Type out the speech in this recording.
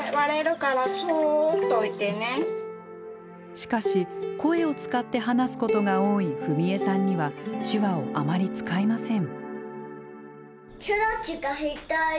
しかし声を使って話すことが多い史恵さんには手話をあまり使いません。